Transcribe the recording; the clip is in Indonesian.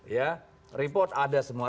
ya report ada semua